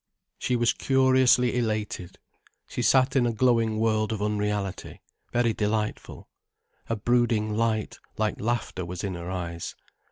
She was curiously elated. She sat in a glowing world of unreality, very delightful. A brooding light, like laughter, was in her eyes.